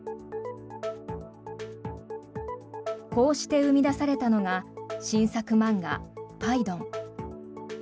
こうして生み出されたのが新作漫画「ぱいどん」。